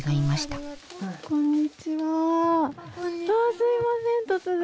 すいません突然。